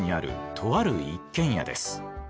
とある一軒家です。